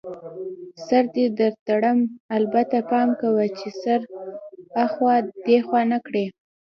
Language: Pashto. سر دې در تړم، البته پام کوه چي سر اخوا دیخوا نه کړې.